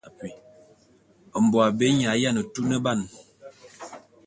Mbo abé nye a yiane tuneban.